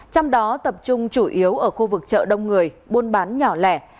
trong đó tập trung chủ yếu ở khu vực chợ đông người buôn bán nhỏ lẻ